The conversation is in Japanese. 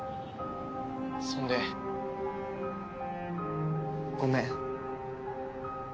そんでごめん。